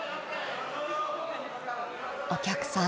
お客さん